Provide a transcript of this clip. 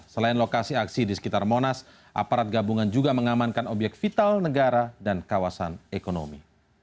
selain lokasi aksi di sekitar monas aparat gabungan juga mengamankan obyek vital negara dan kawasan ekonomi